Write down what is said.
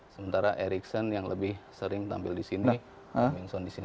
sementara erickson yang lebih sering tampil di sini